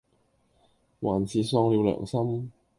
還是喪了良心，